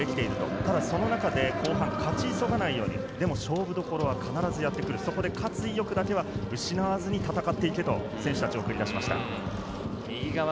ただその中で後半、勝ち急がないように、でも勝負どころは必ずやってくる、勝つ意欲だけは失わずに戦っていけと選手たちを送り出しました。